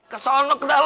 kesono ke dalam